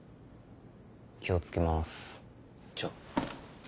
気を付けますじゃ。